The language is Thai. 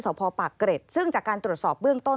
พ่อปากเกร็ดซึ่งจากการตรวจสอบเบื้องต้น